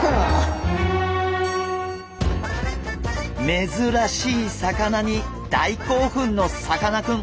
めずらしい魚に大興奮のさかなクン。